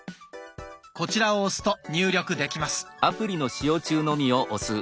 こちらを押すと入力できます。